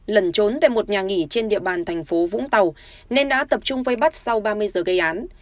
lẩn trốn tại một nhà nghỉ trên địa bàn thành phố vũng tàu nên đã tập trung vây bắt sau ba mươi giờ gây án